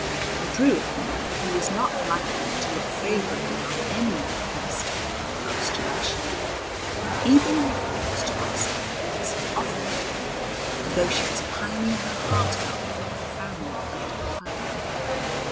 The Druid, who was not likely to look favourably on any request of the great Christian missionary, even refused to accept the ransom offered for the girl, though she was pining her heart out for her family and her home.